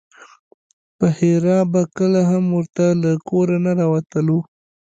بحیرا به کله هم ورته له کوره نه راوتلو.